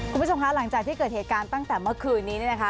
คุณผู้ชมคะหลังจากที่เกิดเหตุการณ์ตั้งแต่เมื่อคืนนี้เนี่ยนะคะ